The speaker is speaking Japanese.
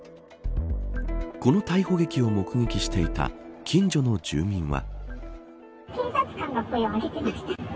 この逮捕劇を目撃していた近所の住民は。